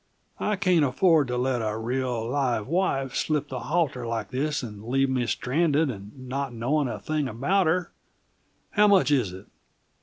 I can't afford to let a real, live wife slip the halter like this and leave me stranded and not knowing a thing about her. How much is it?"